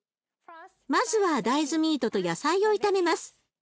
まずは大豆ミートと野菜を炒めます。